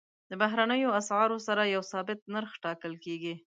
د بهرنیو اسعارو سره یو ثابت نرخ ټاکل کېږي.